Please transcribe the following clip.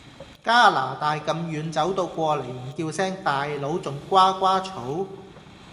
加拿大咁遠走到過黎唔叫聲大佬仲瓜瓜嘈？